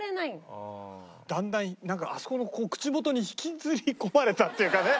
だんだんあそこの口元に引きずり込まれたっていうかね。